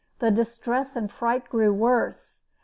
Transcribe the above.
The distress and fright grew worse.